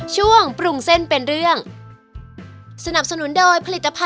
สวัสดีค่ะ